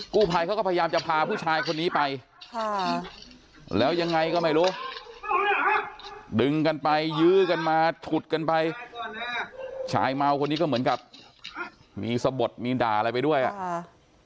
กู้ภัยเขาก็พยายามจะพาผู้ชายคนนี้ไปค่ะแล้วยังไงก็ไม่รู้ดึงกันไปยื้อกันมาฉุดกันไปชายเมาคนนี้ก็เหมือนกับมีสะบดมีด่าอะไรไปด้วยอ่ะค่ะ